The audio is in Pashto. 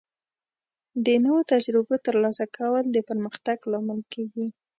د نوو تجربو ترلاسه کول د پرمختګ لامل کیږي.